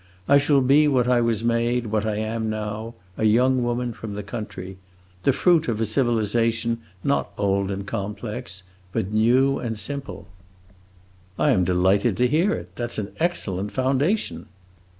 I shall be what I was made, what I am now a young woman from the country! The fruit of a civilization not old and complex, but new and simple." "I am delighted to hear it: that 's an excellent foundation."